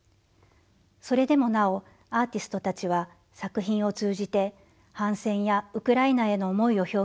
それでもなおアーティストたちは作品を通じて反戦やウクライナへの思いを表現しています。